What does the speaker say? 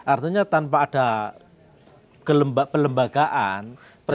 artinya tanpa ada pelembagaan